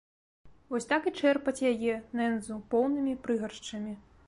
Вось так і чэрпаць яе, нэндзу, поўнымі прыгаршчамі.